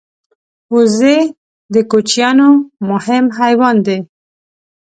وزې د کوچیانو مهم حیوان دی